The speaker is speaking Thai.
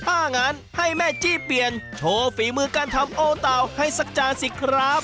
ถ้างั้นให้แม่จี้เปลี่ยนโชว์ฝีมือการทำโอเตาให้สักจานสิครับ